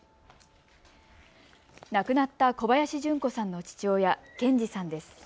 亡くなった小林順子さんの父親、賢二さんです。